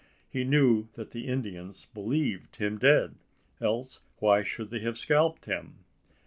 He knew that the Indians believed him dead else why should they have scalped him?